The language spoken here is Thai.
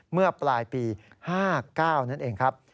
เมื่อปลายปี๕๙นั่นเองครับ